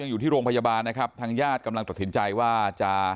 อยู่ที่โรงพยาบาลนะครับทางญาติกำลังตัดสินใจว่าจะ